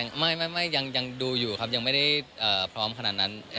ยังไม่ยังดูอยู่ครับยังไม่ได้พร้อมขนาดนั้น